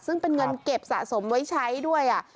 ซึ่งเป็นเงินเก็บสะสมไว้ใช้ด้วย